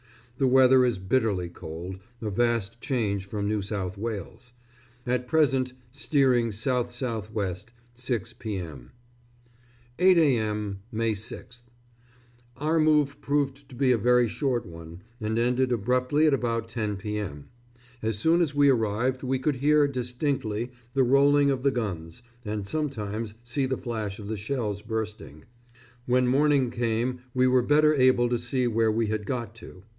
The weather is bitterly cold a vast change from New South Wales. At present steering S.S.W., 6 p.m. 8 a.m., May 6th. Our move proved to be a very short one, and ended abruptly at about 10 p.m. As soon as we arrived we could hear distinctly the rolling of the guns, and sometimes see the flash of the shells bursting. When morning came we were better able to see where we had got to.